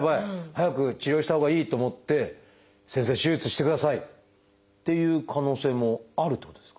早く治療したほうがいいと思って先生手術してください！っていう可能性もあるってことですか？